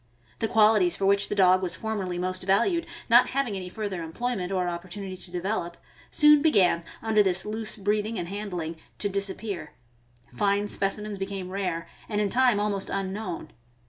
The qualities for which the dog was formerly most valued, not having any further employment or opportunity to develop, soon began, under this loose breeding and handling, to disappear; fine specimens became rare, and in time almost unknown.